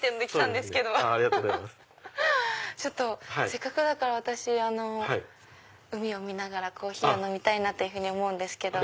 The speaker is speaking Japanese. せっかくだから私海を見ながらコーヒーを飲みたいなっていうふうに思うんですけど。